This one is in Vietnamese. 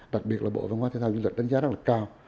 đặc biệt là bộ văn hóa thể thao du lịch đánh giá rất là cao